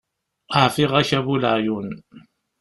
Ɛfiɣ-ak a bu leɛyun.